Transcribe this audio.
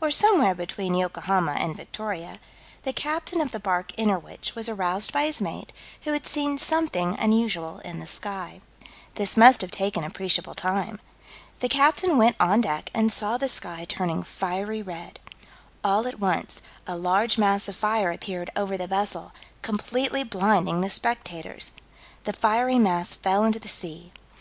or somewhere between Yokohama and Victoria, the captain of the bark Innerwich was aroused by his mate, who had seen something unusual in the sky. This must have taken appreciable time. The captain went on deck and saw the sky turning fiery red. "All at once, a large mass of fire appeared over the vessel, completely blinding the spectators." The fiery mass fell into the sea.